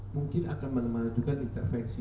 mungkin akan menunjukkan intervensi